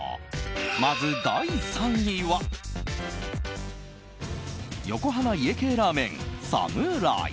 まず第３位は横浜家系ラーメン侍。